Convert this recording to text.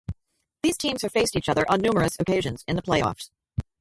These teams have faced each other on numerous occasions in the playoffs.